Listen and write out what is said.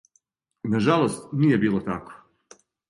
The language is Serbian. Нажалост, није било тако.